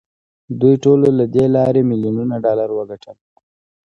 دوی ټولو له دې لارې میلیونونه ډالر وګټل